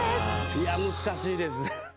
いや難しいです。